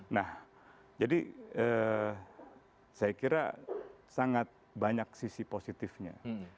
nah jadi saya kira sangat banyak sisi positifnya